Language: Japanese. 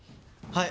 はい！